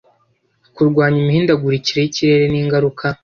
kurwanya imihindagurikire y ikirere n ingaruka